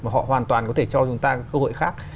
mà họ hoàn toàn có thể cho chúng ta cơ hội khác